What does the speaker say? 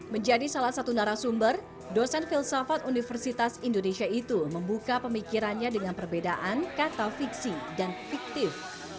menjadi salah satu narasumber dosen filsafat universitas indonesia itu membuka pemikirannya dengan perbedaan kata fiksi dan fiktif